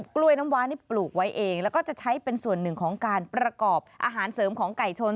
กล้วยน้ำว้านี่ปลูกไว้เองแล้วก็จะใช้เป็นส่วนหนึ่งของการประกอบอาหารเสริมของไก่ชน